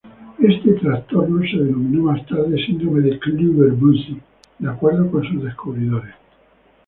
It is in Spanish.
Este trastorno se denominó más tarde síndrome de Klüver-Bucy, de acuerdo con sus descubridores.